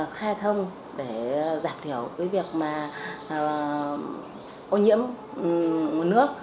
khai thông để giảm thiểu cái việc mà ô nhiễm nguồn nước